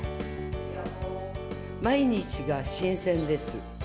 毎日が新鮮です。